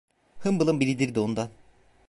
Hımbılın biridir de ondan.